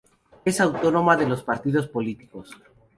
Es autónoma de los partidos políticos.